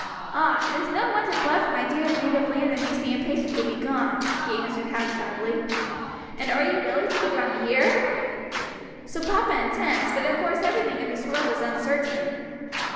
"Ah, it is no want of love for my dear native land that makes me impatient to be gone!" she answered half sadly. "And are you really to be gone a year?" "So papa intends, but of course everything in this world is uncertain."